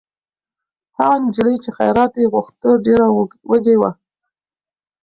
هغه نجلۍ چې خیرات یې غوښت، ډېره وږې وه.